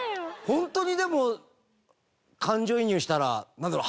ホントにでも感情移入したらなんだろう？